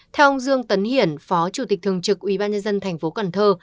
theo ông dương tấn hiển phó chủ tịch thường trực ubnd thành phố cần thơ